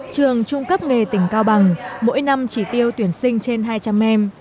trường trung cấp nghề tỉnh cao bằng mỗi năm chỉ tiêu tuyển sinh trên hai trăm linh em